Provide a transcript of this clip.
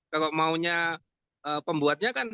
kalau maunya pembuatnya kan